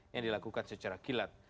yang dilakukan secara kilat